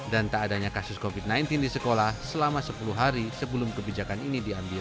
dan tak adanya kasus covid sembilan belas di sekolah selama sepuluh hari sebelum kebijakan